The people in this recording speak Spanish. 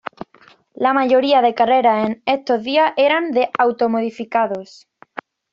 La mayoría de las carreras en esos días eran de autos modificados.